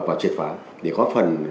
và triệt phá để có phần